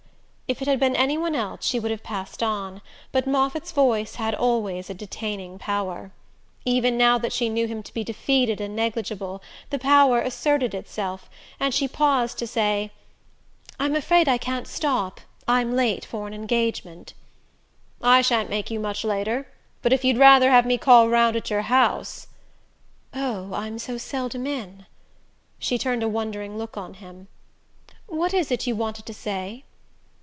If it had been any one else she would have passed on; but Moffatt's voice had always a detaining power. Even now that she knew him to be defeated and negligible, the power asserted itself, and she paused to say: "I'm afraid I can't stop I'm late for an engagement." "I shan't make you much later; but if you'd rather have me call round at your house " "Oh, I'm so seldom in." She turned a wondering look on him. "What is it you wanted to say?"